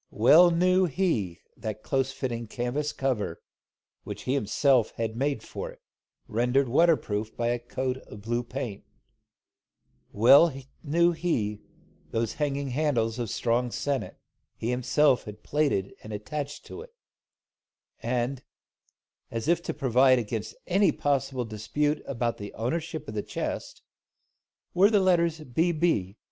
Well knew he that close fitting canvas cover, which he had himself made for it, rendered waterproof by a coat of blue paint, well knew he those hanging handles of strong sennit, he had himself plaited and attached to it; and, as if to provide against any possible dispute about the ownership of the chest, were the letters "B.B.